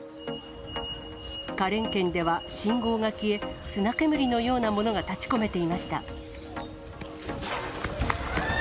花蓮県では信号が消え、砂煙のようなものが立ちこめていました。